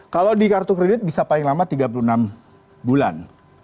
kalau di kartu kredit bisa paling lama tiga puluh enam bulan